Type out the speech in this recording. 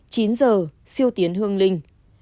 chín h siêu tiến hương linh